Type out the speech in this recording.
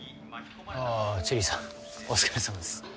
あぁチェリーさんお疲れさまです。